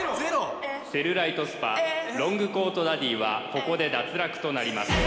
セルライトスパロングコートダディはここで脱落となります